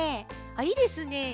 いいですね。